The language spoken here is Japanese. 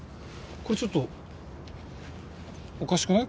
これちょっとおかしくない？